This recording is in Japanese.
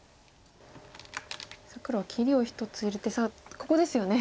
さあ黒は切りを１つ入れてここですよね。